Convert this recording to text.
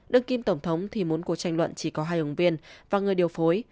đương kim tổng thống thì muốn cuộc tranh luận chỉ có hai ứng viên và người điều phối